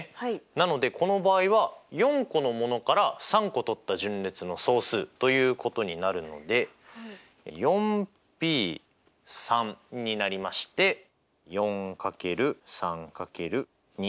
なのでこの場合は４個のものから３個とった順列の総数ということになるので４Ｐ３になりまして４×３×２。